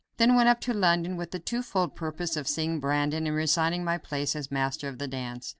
I then went up to London with the twofold purpose of seeing Brandon and resigning my place as Master of the Dance.